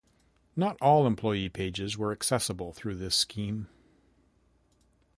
Not all employee pages were accessible through this scheme.